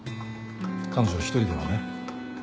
彼女一人ではね。